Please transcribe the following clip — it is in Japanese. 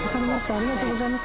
ありがとうございます。